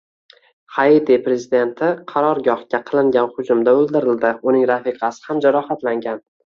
Haiti prezidenti qarorgohga qilingan hujumda o‘ldirildi. Uning rafiqasi ham jarohatlangan